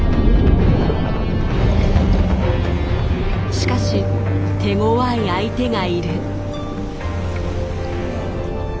しかし手ごわい相手がいる。